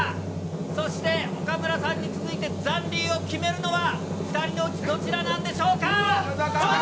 そして岡村さんに続いて残留を決めるのは、２人のうちどちらなんでしょうか？